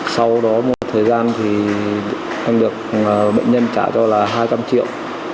sau đó mua thời gian thì em được bệnh nhân trả cho là hai trăm linh triệu